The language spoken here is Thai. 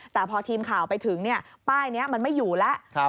แต่พอทีมข่าวไปถึงป้ายนี้มันไม่อยู่แล้ว